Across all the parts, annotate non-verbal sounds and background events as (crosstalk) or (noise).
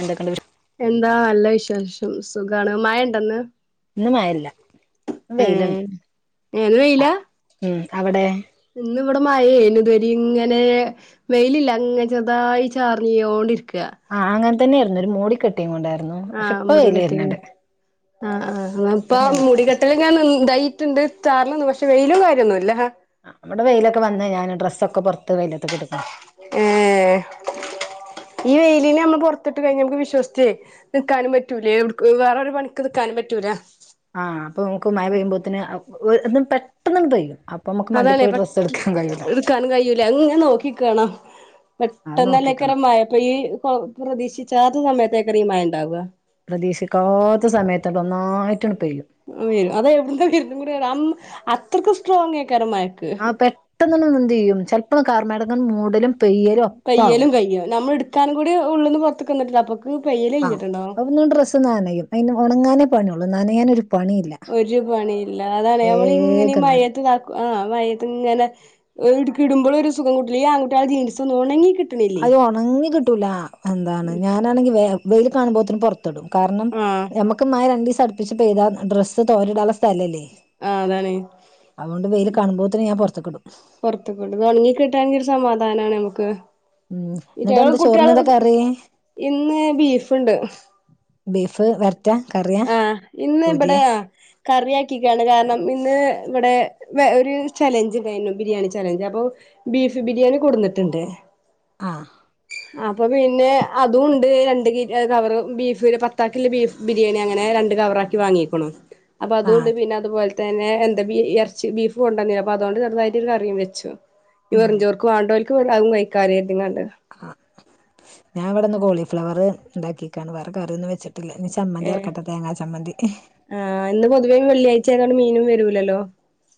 എന്തൊക്കെണ്ട് വിശേ എന്താ നല്ല വി ശേഷം സുഖമാണ് മായ ഉണ്ടോ ഇന്ന് ഒന്നും ആയില്ല ഇന്ന് വെയിലുണ്ട് ഏഹ് ഇന്ന് വെയിലാ ഉം അവിടെ ഇന്ന് ഇവിടെ മയയാനു ഇതുവരി ഇങ്ങനെ വെയിലില്ല അങ്ങ് ചെറു തായി ചാറിയൊണ്ടിരിക്കും ആഹ് അ (unintelligible) തന്നെയായിരുന്നു ഒരു മൂടി കെട്ട് ആഹ മൂടികെട്ടി ആ ഹ് ആഹ് ഇപ്പ ഇപ്പൊ നല്ല മൂടികെട്ടല് ൻ എന്തായി ണ്ട് താ (unintelligible) റന്നും പക്ഷെ വെയിലും കാര്യമൊന്നും ഇല്ല ആ നമ്മടെ വെയിലൊക്കെ വന്നേ ഞാന് ഡ്രസ്സൊക്കെ പുറത്ത- ഇത്ത് വെയിലത്ത് കെടുക്കുന്നു ഏഹ് ഈ വെയിലിനെ നമ്മൾ പൊറത്തിട്ട് കഴിഞ്ഞ നമുക്ക് വിശ്വസിച്ചേ നിക്കാനും പറ്റൂലേ വേറെരു പണിക്ക് നിക്കാനും പറ്റൂല ആഹ് അപ്പൊ നമുക്ക് മയ പെയ്യുമ്പോതന്നെ- ഒര് എന്നും പെട്ടെന്നും പെയ്യും അപ്പൊ നമുക്ക് മണ്ടി അതാണെ പോയി പെ ഡ്രസ്സ് എടുക്കാൻ കഴിയൂല എടുക്കാനും കഴൂല ഇങ്ങെനെ നോക്കിനിക്കണോ അത് പെട്ടെന്ന് ലക്കൊരു നോക്കിക്കണം മയ പെയ്യേ പിറു പിറു പ്രതീശിചാത്ത സമയത്തേ- ചെറിയ മയ ഉണ്ടാവുക പ്രതീക്ഷിക്കാത്ത സമയത് അത് ഒന്നായി (unintelligible) അതെവിട്ന്ന വരുന്നും കൂടെ ര അം അച് ത്രക്കുസ്ട്രോങ്ങെ ആഹ് പെട്ടെന്ന്ന്നമ്മെന്ത്യ്യും ചചെൽപ്പോ കാർമേഘ ദൻ മൂടലും പെയ്യലും പെയ്യലും ഒപ്പാവും കയ്യും നമ്മ എടുക്കാനും കൂടി ഉള്ള്ന്ന് പൊർത്ത്ക്കെന്ന്ട്ട്ള്ള്പ്പൊ ആഹ് അവൊന്നൂ ഡ്രസ് നാനയും അയിന് ഒണങ്ങാന് പണിഒള്ളു നനയാനൊരു പണിയില്ല ഒരു പണിയില്ലാ അതാ (unintelligible) ങ്ങനെ വേഗം നന മയത്ത് താക്കും ആഹ് മഴത്തിങ്ങനെ ഏട്ക്കിടുമ്പളു ഒരു സുഖം കുട്ട്ല്യ. ഈ ആൺകുട്ട്യേളെ ജീൻസ് ഒന്ന് ഓണങ്ങികി അഹ് ഒണങ്ങി കിട്ടൂലാ. എന്താണ് ഞാനാണെങ്കി വേ വെയില് കാണുമ്പോത്തിനും പൊർ തെടും. കാര്ണം ആ നമ്മക്ക് മഴ രണ്ടീസ് ടിപ്പിച്ച് പെയ്താ ഡ്രസ്സ് തോരടാള്ള സ്ഥലല്ലേ ആ അതാണ് അതുകൊണ്ട് വെയ്ലൊ കാണുമ്പോൾതന് ഞാൻ പുറതേക്ടും പുറത്ത് കൊണ്ടൊന്നൊണൊങ്ങി കിട്ടാങ്കി ഒരു സമാധാനാണേ അമ്ക് സമാധാനമാണ് നമുക്ക് ഉം എന്നിട്ട് ഇറ്റങ്ങള് എന്ത് കുട്ടികള് ചോറിനെന്താ കറി ഇന്ന് ബീഫ് വരട് ആ ഇന്ന് ഇവിടെ കറിയാക്കിക്കാണ് കാരണം ഇന്ന് ഇവിടെ ഒരു ചലഞ്ച് ഉണ്ടായിരുന്നു ബിരിയാണി ചലഞ്ച് അപ്പൊ ബീഫ് ബിരിയാണി കൊടുന്നിട്ടുണ്ട് ആഹ് അപ്പൊ പിന്നെ അതും ഉണ്ട് രണ്ട് ക കവറ് ബീഫ് പത്താക്കില് ബീഫ് ബിരിയാണി അങ്ങനെ രണ്ട് കവറ് ആക്കി വാങ്ങിയേക്കണു അപ്പൊ ആ അതുകൊണ്ട് പിന്നതുപോലെ തന്നെ എന്താ ബ ഇറച്ചി ബീഫ് കൊണ്ടന്നില്ല അതുകൊണ്ട് ചെറുതായിട്ടൊരു കറിയും വെച്ചു ഈ ഉം പറഞ് ചോർക്ക് വാണ്ടോ ആവും കൈ കാര്യത്ങ്ങണ്ട് ആ ഞാൻ ഇവിടുന്ന് കോളിഫ്ലവർ ഉണ്ടാക്കിക്കേണ് വേറെ കറിയന്ന് വെച്ചട്ട് നി ഏഹ് ചമ്മന്തിയരക്കാട്ട തേങ്ങാ ചമ്മന്തി ആഹ് ഇന്ന് വെള്ളിയാഴ്ച ആയതോണ്ട് മീനും വരൂല്ലല്ലോ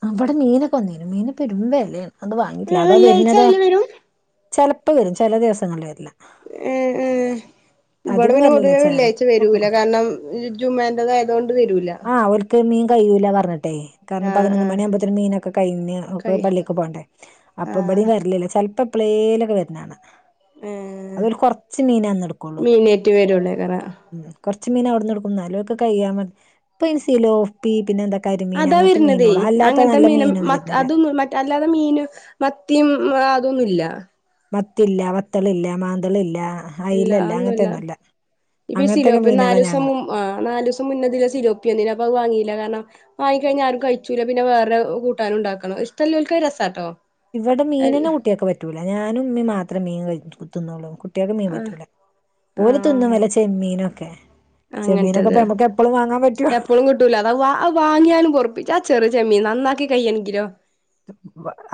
അവിടെ മീനൊക്കെ വന്നേനും മീന് പെരുമ അല്ലേ വെള്ളിയാഴ്ച വെരും ചിലപ്പോൾ വരും ചില ദിവസങ്ങളിൽ വരില്ല ഉം ഉം ഈടെ അധികം പിന്നെ വരില്ല പൊതുവേ വെള്ളിയാഴ്ച വരൂല ചിലപ്പോൾ കാരണം ഈ ജുമേൻറത് ആയതൊണ്ട് വരു ആ അവർക്ക് മീ കഴ്യൂല പറഞ്ഞട്ട് കാരണം ആഹ് പതിനൊന്ന് ആഹ് മണിയാമ്പോത്തേനും മീനൊക്കെ കഴിഞ്ഞ് കൈ പള്ളിക്ക് പോകണ്ടേ അപ്പ ഇവിട ആഹ് വരില്ലല്ലോ ചെലപ്പോ പ്ലേലൊക്കെ വരുന്നതാണ് ഏഹ് അതൊരു കൊറച്ച് മീനാന്ന് എടുക്കോള്ളൂ മീനേറ്റ് വരുള്ളേക്കാരം ഉം കുറച്ച് മീൻ അവിടുന്ന് എടുക്കും ന്നാലും ഒക്കെ കഴിയാ മതി പിൻസീൽ ഓഫ്പി പിന്നെ എന്താ അതാ അങ്ങനത്തെ വരണതേ മീനോളു അല്ലാത്ത അങ്ങനത്തെ നല്ല മീനും മീനൊന്നും മ വരുന്നില്ല അതും മറ്റ് അല്ലാതെ മീനും മത്തിയും അതൊന്നൂല്ല മത്തില്ല വത്തളില്ല മാന്ന്തളില്ല ഇല്ല ഒന്നുമല്ല ഇപ്പ അങ്ങനത്തൊക്കെ സിലോപ്പി മീനാളാ നാലീസം ഞങ്ങള് ആ നാല് ദിവസം മുന്നെ സിലോപ്പി വന്നില്ലേ അപ്പം അത് വാങ്ങി ല്ല കാരണം വാങ്ങിക്കഴിഞ്ഞാ ആരും കഴിക്കൂല്ല പിന്നെ വേറെ കൂട്ടാനും ഉണ്ടാക്കണം ഇഷ്ടമല്ലോൾക് രസാട്ടോ ഇവിടെ അൽ മീനന്നെ കുട്ടിയൊക്ക് പറ്റൂല ഞാനും ഉമ്മ മാത്രേ മീൻ കഴിക്കൂ (unintelligible) കുട്ടിയക്ക് മീൻ ആഹ് പറ്റൂല ഓരു തിന്നും ആഹ് വല്ല ചെമ്മീനൊക്കെ ചെമ്മീനൊക്കെ അങ്ങൻത്തത് നമുക്ക് എപ്പഴും വാങ്ങാൻ പറ്റുവോ ചാ ചെറിയ ചെമ്മീൻ നന്നാക്കി കയ്യണെങ്കിലോ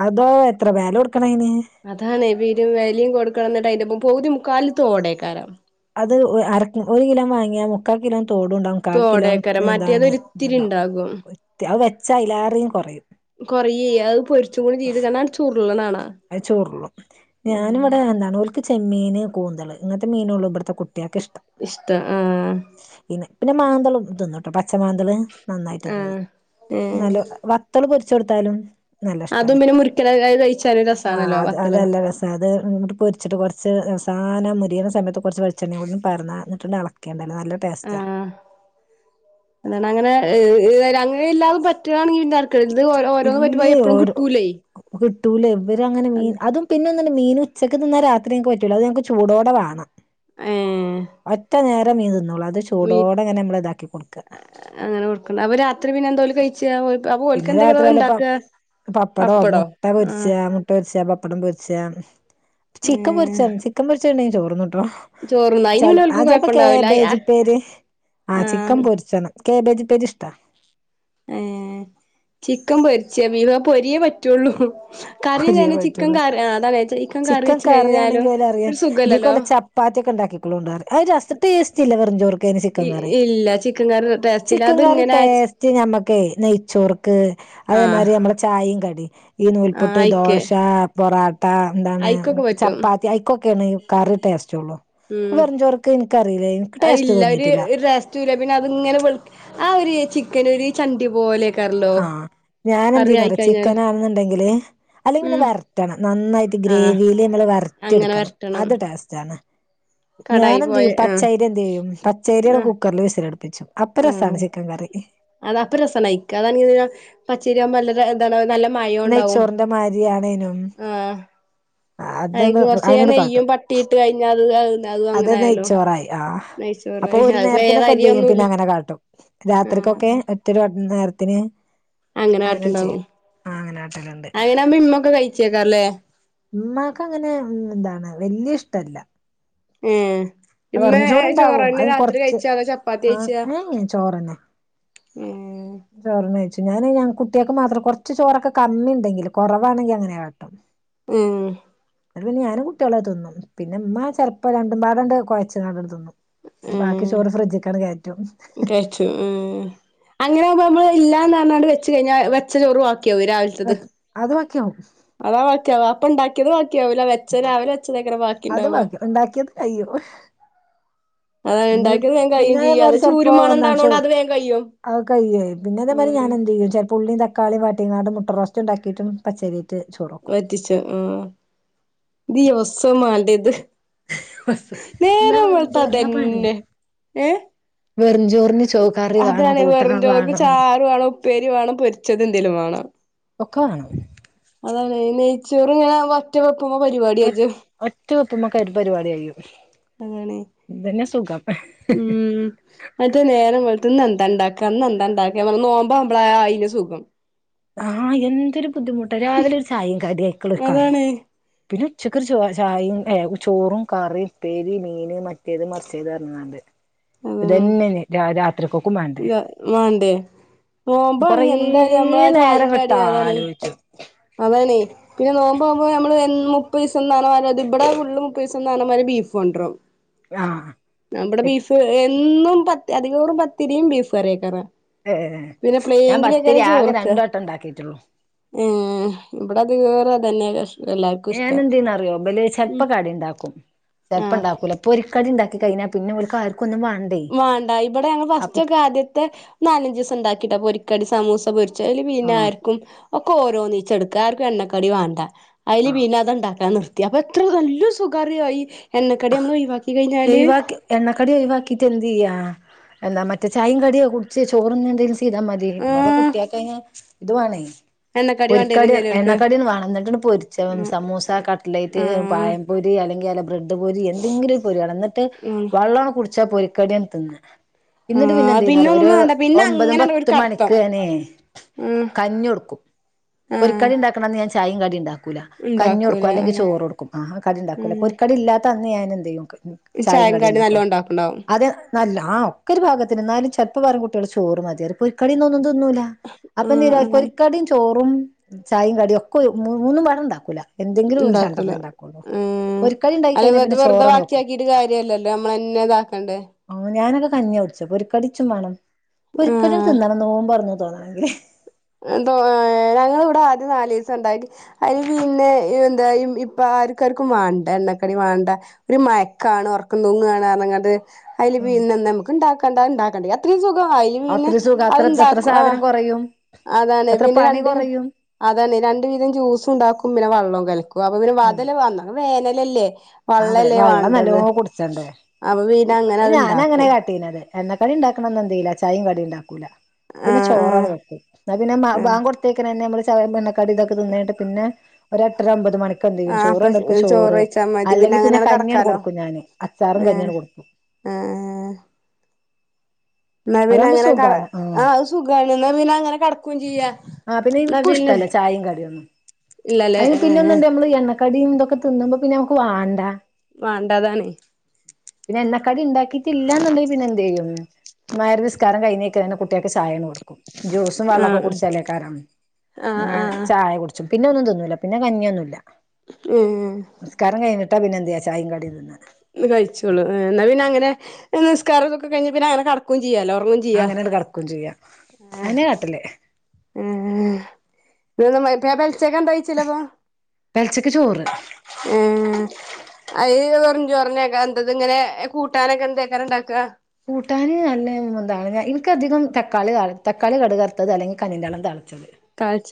അതോ എത്ര വില കൊടുക്കണം അതിന് അതാണ് ഈ വീര വെലയും കൊടുക്കണം തിന്റെപ്പ പൗതി മുക്കാലത്ത് ഓടയക്കാരാം ത് ഒരു കിലോ വാങ്ങിയ മുക്കൽ കിലോ തോടുംണ്ടാവകും കാക്കിലോ തോടേക്കാരം മറ്റേത് ഒരിത്തിരി എന്താണ്ണ്ടും ഇണ്ടാകും ച എലാരുേയും കുറയും കൊറ അത് പൊരിച്ചും കൂടി ചെയ്ത് കാരാ അ ചൂറള്ളതാണ് അത് ചോടുള്ളൂ ഞാന ഇവിടെ എന്താണ് ക്ക് ചെമ്മീൻ കൂന്തൽ ഇങ്ങത്തെ മീനുള്ള ഇവിടുത്തെ കുട്ട ഇഷ്ടം ആഹ പിന്നെ പിന്നെ മാന്തളും ഇതൊന്നും കേട്ടോ പച്ച മാന്തള് നന്നായിട്ട് തോന്നും ആഹ് ഏഹ് നല്ല വത്തൽ കു ച്ചെടുത്താലും അതും പിന്നെ മുറരിക്കല കഴിച്ചു ആഹ് അത് അതല്ല രസ അത് ഇങ്ങോട്ട് പൊരിച്ചിട്ട് കുറച്ച് അവസാന മുരിയുന്ന സമയത്ത് കുറച്ച് വെിച്ചെണളുംറന്നിട്ടണ്ട് അളക്കേണ്ടത് ആഹ എന്ത അങ്ങനെ അങ്ങനെല്ലാും പറ്റുകയാണെങ്ക പിന്നെർക്ക് ഓരോന്നന്ന് പറ്റ എപ്പഴും കിട്ടൂലേ ടൂലം ഇങ്ങനെ അതും പിന്ന മീൻ ഉച്ചക്ക് നിന്നൽ രാത്രി ങ്ങക്ക് പറ്റൂലോ അത്ഞങ്ങക്ക് ചൂടോടെ വോം ഏഹ് അത്ത ീതോ അങ്ങനെ കൊടുക്കണ്ട് അപ്പൊ രാത്രി പിന്നെ എന്തോലും കഴിച്ച അപ്പൊ ഓൽക്ക് പിന്നെ എന്തെങ്കിലും രാത്രിയല്ല പ ഇണ്ടാക്ക പപ്പടമ പപ്പടോ മുട്ട പൊരിച്ച ആഹ് മുട്ട പൊച്ച പപ്പടം പൊരിച്ച ചിക്കൻ ഏഹ് മുൊറിച്ചം ചിക്കൻറിച്ച എണ ചോന്നണ്ട് ചോറുണ്ണും അയിന് ച പിന്നെ ആ ഓൽക്ക് ചിലപ്പോ കേ കൊഴപ്പണ്ടാവൂല ബേജുപ്പേര് ആ ചിക്കൻ ആഹ് പൊരിച്ചണം കേബേജി പേജിഷ്ട ഏഹ് ചിക്കൻ പൊരിച്ച വി പൊരിയേ പറ്റുള്ളൂ കറി ഒരേ പറ്റുള്ളൂ ചിക്കൻ കറി അതാച്ച ചിക്കൻ കറി വെച്ച് കഴിഞ്ഞാലും ഒരു സുഖല്ലല്ലോ ക്കളുണ്ട ഒരു ര ടേസ്റ്റ് ഇല്ല വെറുംചോർക്ക് ചിക്കൻ കറി ഇല്ല ചിക്കൻ കറി ടേസ്റ്റ് ഇല്ല ചിക്കൻ കറി അതിങ്ങനെ ടേസ്റ്റ് ഞമ്മക്ക നെയ്ച്ചോർക്ക് ആഹ് അതേമാതിരി നമ്മളെ ചായയും കടി (unintelligible) ആഹ് പുട്ട് അയിക്ക് ദോശ പൊറാ ട്ട എന്താണ് അയിക്കൊക്കെ പറ്റും ചപ്പാത്തി ഐക്കൊക്കെയാണ് കറി ടേസ്റ്റുള്ളു വെറും ചോർക്ക് എനിക്കറിയില്ലേയിനു അതു ഇല്ല ഒരു ടേസ്റ്റുല്ല പിന്നെ അത്ങ്ങനെ ആ ഒരു ചിക്കൻ ഒരു ചണ്ടി പോലെ ആഹ് ഞാനെന്ത് ചെയ്യുന്നറിയോ ചിക്കനാണെന്നുണ്ടെങ്കില് അല്ലെങ്കിൽ ഉം വരട്ടണം നന്നായിട്ട് ആഹ് ഗ്രേവിയില് നമ്മള് അങ്ങനെ വരട്ടിയെടുക്കണം വരട്ടണം അത് ടേസ്റ്റ് ആണ് കടായി ഞാനു എന്ത് പോയ ചെയ്യും ആഹ് പച്ചരി എന്ത് ചെയ്യും പച്ചരിയാണ് ആഹ് കുക്കറിൽ വിസിലിടും ച്ച അപ്പ രസമാണ് ചിക്കൻ കറി അത അപ്പൊ രസാണ് ഇക്ക (unintelligible) അതാണ പച്ചരിയാവുമ്പോ എന്താ നല്ല മയോം ഉണ്ടാവും നെയ്ച്ചോറിന്റെ മാരിയാണേനും അയി അതണ്ട് ല്കൊറച്ചു അങ്ങനെണ്ട് നെയ്യും കാട്ടും പട്ടിംയിട്ട് കഴിഞ്ഞ അതിൽ അതും അത് അങ്ങനെ ആയല്ലോ നെയ്ച്ചോറായി ആഹ് അപ്പൊ നെയ്ച്ചോറായി ഒരു അതിപ്പോ ഏത് നേരത്തിനൊക്കെ എന്ത്‌ ചെയ്യും പിന്നെ അരിയൊന്നുല്ല അങ്ങനെ കാട്ടും ആഹ് രാത്രിക്കൊക്കെ ഒറ്റൊരു നേര ത്തിനു അങ്ങനെയ ചെയ്യആഹ് അങ്ങനെ ണ് അങ്ങനാകുമ്പം ഇമ്മക്ക കഴിചേക്കാല്ലേ (unintelligible) ഉമ്മാക്ക് അങ്ങനെ എന്താണ് വല്യ ഇഷ്ടല്ല ഏഹ് ഇന്നു വെറുംചോറുണ്ടാവും ചോറെന്ന അതിന് രാത്രി കൊറച്ച് കഴിച്ചേ അതോ ചപ്പാത്തി ആഹ് കഴിച്ചാ ഉം ചോറെന്നെ കഴിച്ചേ ഞാന് ഞ കുട്ടികൾക്ക് മാത്രം കൊറച്ച് ചോറൊക്കെ കമ്മി ഉണ്ടെങ്കിൽ കുറവാണെങ്കിൽ അങ്ങനെയാ കട്ടാ ഉം അതു ഞാനും കുട്ടിയാളും അത് തിന്നും പിന്നെമ്മ ചെലപ്പോ രണ്ടും പാടണ്ട് കുഴച് ങ്ങാണ്ട്തിന്നും ഉം കഴിച്ചു ഉം അങ്ങനൊമ്പോ നമ്മള് ഇല്ലാന്ന് പറഞ്ഞാ വെച്ച് കഴിഞ്ഞാൽ വെച്ച ചോറുവാക്കി ക്കോ രാവിലത്തത് ക്കോ അതാ വാക്ക അപ്പണ്ടാക്കിയത് വ ക്കവല വച്ചൻ രാവിലെ വെച്ച തങ്ങ നെ ബാക്കി അത് ഉണ്ടാവുക ബാക്കിയാവും ഇ പിന്നെ അതേമാതിരി ചെലപ്പോ ചൂരുമണം എന്താന്നുച്ചാ ഉണ്ടാവണോണ്ട് അത് വേഗം കഴിയും അതൊ കഴിയും പിന്നെ അതേമാതിരി അതാണ് ഞാൻ എന്ത് ചെയ്യും ച ഉള്ളിയും തക്കാളിയും വരട്ടി മുട്ട റോസ്റ്റ് ഉണ്ടാക്കിയിട്ടും പച്ചരിയും വറ്റിച്ച് ആ ദിവ സോം വേണ്ടേ ഇത് എന്നാ നേരം വെറും വെളുത്താ ചോറിനാ പണി അതന്നെ ഏ വെറുംചോറിന് ചോ കറി വേണം അതാണ് വെറും കൂട്ടണം ചോറിന് വേണം ചാർ വേണം ഉപ്പേരി വേണം പൊരിച്ചത് എന്തേലും വേണം ഒക്കെ വേണം അതാണ് നെയ്ച്ചോർ ഇങ്ങനെ വ പ്പമ പരിപാടി കഴിഞ്ഞു ഒറ്റ വെപ്പുമൊ കരും പരിപാടി കഴിയും അങ്ങണെ ഇതന്നെ സുഖം ഉം മറ്റേ നേരം വെളുത്തുന്ന എന്ത ന്ത ഇണ്ടാക്കാ ഇന്ന് എന്താ ഉണ്ടാക്കമ്മ നോമ്പോ ആകുമ്പളെ ആയിൻ്റെ സുഖം ആ എന്തൊരു ബുദ്ധിമുട്ട് രാവിലെ ഒരു ചായയും കടിയ ആക്കളുംഒരുക്കാർ അതാണ് പിന്നെ ഉച്ചക്ക് ചോ ചായയും ഏ ചോറും കറിയും ഉ പേരി മീൻ മറ്റേത് മറിച്ചത് തരുന്നതണ്ട് അതാണ് അതുതന്നെയാണ് രാ രാത്രിക്കക്കും വേണ്ടേ ഇല്ല വേണ്ടേ നോമ്പാണ് എന്തായാ വി നേരം വിട്ട് ആലോചിച്ചു അതാണ് പിന്നെ നോമ്പ് ആകുമ്പോ നമ്മള് മുപ്പത് ദിസംന്നാണ് പറഞ്ഞത് ഇവിടെ ഫുൾ മുപ്പത് ദിസംന്നാണ് ബീഫ് കൊണ്ടവെറും ആഹ് നമ്മുടെ ബീഫ് ഇന്നും പത്തി അധികോറു പത്തിരിയും ബീഫ് കറിയൊക്കെ ആയിരുന്നു ഏ ഞാൻ പത്തിരി ആകെ ചോറ്ക്ക രണ്ടുവട്ടം ഉണ്ടാക്കിട്ടുള്ളു ഇവിടെ അത് കേറെ തന്നെണ് ഞൻ എന്തീന്ന് അറിയോ ഇബല്ല് ചെലപ്പ ഉം കറി ഉണ്ടാക്കും ചെലപ്പം ആഹ് ഉണ്ടാക്കൂല അപ്പൊ കടി കഴിഞ്ഞൽ പിന്നെ ഓൾക്ക് ആർക്കും ഒന്നും വേ വേണ്ടാ ഇവിടെ ഞങ്ങൾ ഫസ്റ്റ് ഒക്കെ ആദ്യത്തെ നാലഞ്ച് ദിവസം ഉണ്ടാക്കിട്ടാ പോരിക്ക കടി സമൂസ പ ച്ചല് പിന്നെ ആഹ് ആർക്കും ഒക്കെ ഓരോ നീച്ച എടുക്കാ ആർക്കും എണ്ണക്കടി വേണ്ട അതില് ആഹ് പിന്നത് ഉണ്ടാക്കാന് നിർത്തി അപ്പ എത്ര നല്ല സുഖാര്യയി എന്നക്കടി നമ്മ ഒഴിവാക്കി കഴിഞ്ഞല് ഇതെന്ത് ചെയ്യാ എന്ന മറ്റേ ചായയും കടിയോ കുടിച്ച് ചോറ് (unintelligible) ചെയ്താ മതി ഇടെ ആഹ് കുട്ടിയൊക്കെ ഞാൻ ഇതുവാണേ എണ്ണക്കടി വാണ്ടിയരും പൊരിക്കടിയാണ് ചെലോർക്ക് എണ്ണക്കാടാണ് വേണം എന്നിട്ട പൊരിച്ച ഉം സമൂസ കട്ടലൈറ്റ് ആഹ് പായംപൊരി അല്ലെങ്കിൽ (unintelligible) പോരി എന്തെങ്കിലും പോരി വേണം എന്നട്ട് ഉം (unintelligible) ച്ചാ പൊരിക്കട തിന്ന ഇന്നിട്ട് പിന്നെ ആഹ് എന്ത് ചെയ്യുന്നറിയോ ഒരു ഒന്നും വേണ്ട പിന്നെ ഒമ്പതും അങ്ങനെ ഒരു പത്തും കടത്തം മണിക്ക് തനെ ആഹ് കഞ്ഞൊടുക്കും ആഹ് പൊരിക്കടി ഉണ്ടാക്കണംന്ന് ഞാൻ ചായും കടി ഇണ്ടാക്കും കഞ്ഞി ഉണ്ടാക്കൂല കൊടുക്കും അല്ലെങ്കിൽ ആഹ് ചോറ് കൊടുക്കും ആ കടി ഇണ്ടാക്കൂല പൊരിക്കടി ഉം ഇല്ലാ (unintelligible) ഞാൻ എന്ത്‌ (unintelligible) ചായയും ചായേം കടിം കടിയുംണ്ടാക്കോളും നല്ലോം ഉണ്ടാക്ക്ണ്ടാവും അത് നല്ല ആ ഒക്കെ ഒരു പാകത്തിന് എന്നാലും ചെപ്പ വാരം കുട്ടികള് ചോറ് മതിയറി പൊരികടി (unintelligible) തിന്നുല്ല അപ്പൊ ആഹ് (unintelligible) ആഹ് പൊരിക്കടിയും ചോറും ചായയും കടിയും ഒക്കെ മൂന്നുപാടെ ഉണ്ടാക്കൂല എന്തെങ്കിലും ഒരു ഇണ്ടാക്കൂല രണ്ടെണ്ണം ഉണ്ടാക്കുള്ളോ ഏഹ് പൊരിക്കടി ഉണ്ടായി (unintelligible) വെറുതെ വാക്കിയാക്കിയിട്ട് കാര്യല്ലല്ലോ നമ്മളന്നെ ഇതാക്കണ്ടേ കഞ്ഞോടിച്ച പൊരികടിച്ചും വേണം പൊരികടി ആഹ് തിന്നണം നോമ്പ് തോറന്ന് (unintelligible) എന്തോ ഞങ്ങ ഇവിടെ ആദ്യം നാല് ദിവസം ഉണ്ടായി അതിന് പിന്നെ എന്താ ഇപ്പൊ ആർക്ക ആർക്കും വേണ്ട എണ്ണക്കടി വേണ്ട ഒരു മയക്കാണ് ഉറക്കം തൂങ്ങുകണങ്ങട്ട് പറഞ്ഞാട് അതില് പിന്നെ നമുക്ക് ഇണ്ടാക്കണ്ട ഉണ്ടാക്കണ്ട അത്രയും സുഖം അല് പിന്നെ അത്ര സുഖം അത്ര അത്ര അത്ണ്ടാക്കും ആ സാധനം കുറയും അതാണ് എത്ര പിന്നെ പണി രണ്ട് കുറയും അതാണ് രണ്ട് വീതം ജ്യൂസ് ഉണ്ടാക്കും വള്ളോമ് കലക്കും അപ്പൊ പിന്നെ ഉം (unintelligible) വന്ന (unintelligible) (unintelligible) അതെ വള്ളല്ലേ വെള്ളം നല്ലോ വേണ്ടത് കുടിച്ചണ്ടെ അപ്പൊ പിന്നെ അങ്ങനെ അത് ഞാനങ്ങനെ ഇണ്ടാക്കും കാട്ടീനത് എണ്ണ കടി ഉണ്ടാക്കണംന്ന എന്ത് ചെയയില്ല ചായയും കടി ഉണ്ടാക്കൂല പിന്നെ ആഹ് ചോറാണ് ആഹ് വെക്കും ന്നാ പിന്നെ ആഹ് ബാങ്ക് കൊടുത്തേക്കന്നെ നമ്മള് എണ്ണക്കടി ഇതൊക്കെ തിന്നിട്ട് പിന്നെ ഒരു എട്ടര ഒമ്പത് മണിക്ക് ആഹ അപ്പൊ ചോറ് കഴിച്ചാ മതി അല്ലെങ്കി പിന്നെ അങ്ങനെയാണ് കഞ്ഞി കടക്കാലോ കൊടുക്കും ഞാന് അച്ചാറും ആഹ് കഞ്ഞിയാണ് കൊടുക്കും ആഹ് എന്നാ പിന്ന അതാവുമ്പോ അങ്ങനെ ക സുഖാണ് ആഹ് ആത് സുഖ പിന്നെ അങ്ങനെ കിടക്കയും ചെയ്യാ ആഹ് എന്ന എനിക്കും പിന്നെ ഇഷ്ടല്ല ചായയും കടിയൊന്നും ഇല്ലല്ലേ അതിന് പിന്നെ ഏ ഒന്നുണ്ട് നമ്മള് എണ്ണക്കടിയും തിന്നുമ്പോ നമക്ക് വാണ്ടാ വേണ്ട അതാണേ പിന്നെ എണ്ണക്കടി ഉണ്ടാക്കിട്ടില്ല എന്നുണ്ടെങ്കിൽ പിന്നെ എന്ത് ചെയ്യും.... (inaudible) മഗ്‌രിബ് നിസ്കാരം കഴഞ്ഞീക്കേ തന്നെ കുട്ടിയാൾക്ക്ചായ കൊടും.... ജ്യൂസും വള്ളക്കെ ആഹ് കുടിച്ചാലേക്കാരും ആഹ് ആഹ് ആഹ് ചായ കുടിച്ചും..... പിന്നെന്നും തിന്നൂലാപിന്നെ കഞ്ഞിയൊന്നുല്ല.... ഉം.... (unintelligible) വന്ന ചായി കടിതിന്ന... കഴിച്ചോളു ഇന്നാ പിന്നെ അങ്ങനെ.. നിസ്... നിക്കാരംകഴിഞ്ഞ പിന്നെങ്ങനെ കടക്കും... ചെയ്യാലോ ഉറങ്ങും ചെയ്യാ അങ്ങനെ കടക്കും ചെയ്യാം അതന്നെ കാട്ടല്..... (unintelligible) വെറു പെലച്ചക്ക് ചോറ് ചോറന്നെ എന്ത ഇത് ഇങ്ങനെ കൂട്ടാനൊക്കെ എന്തൊക്കാരു ണ്ടാക്കാ.......... കുട്ടാൻ നല്ല എന്താണ് എനിക്കധികം തക്കാളി തക്കാളി കടുകറുത്തത് അല്ലങ്കിൽ കഞ്ഞിൻ്റെ ള്ളം താളിച്ചത്.......... താഴ്.......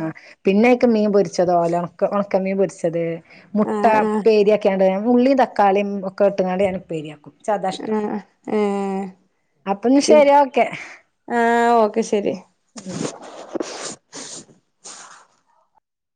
ആഹ പിന്നെ............. ക്ക്മീൻ പൊരു...... ച്ചതോ ഓലക്....... ഒണക്കമ്മി പൊരിച്ചത്.......... മുട്ട ആഹ് ആഹ് ഇപേരിക്കെയണ്............. ഉള്ളിയും തക്കാളിയും ഒക്കെ ഇട്ട് ക്ക ണ്ട് ഞാൻ പേരിയാക്കും....... ആഹ് ഏ അപ്പം ശരി ഓക്കെ ആഹ് ഓക്കെ ശരി........... ഉം (inaudible)